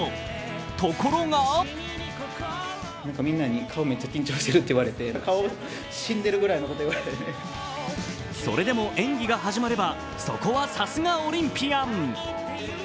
ところがそれでも演技が始まれば、さすがにそこはオリンピアン。